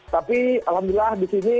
tapi alhamdulillah di sini